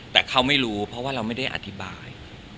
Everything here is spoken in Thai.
แต่เขาไม่รู้เพราะว่าเราไม่ได้อธิบาย